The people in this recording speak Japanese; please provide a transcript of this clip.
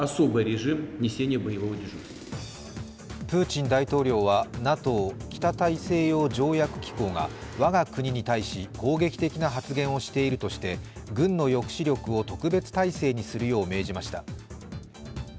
プーチン大統領はＮＡＴＯ＝北大西洋条約機構が我が国に対し攻撃的な発言をしているとして軍の抑止力を特別態勢にするよう命じました。